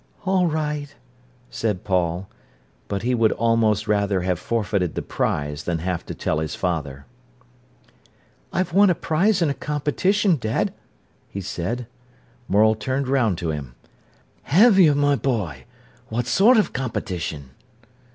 "All right," said Paul. But he would almost rather have forfeited the prize than have to tell his father. "I've won a prize in a competition, dad," he said. Morel turned round to him. "Have you, my boy? What sort of a competition?"